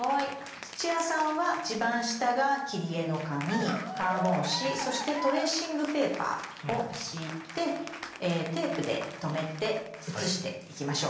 土屋さんは一番下が切り絵の紙カーボン紙そしてトレーシングペーパーを敷いてテープでとめて写していきましょう。